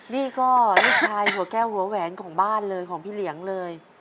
นี่ก็ลูกชายหัวแก้วหัวแหวนของบ้านเลยของพี่เหลียงเลย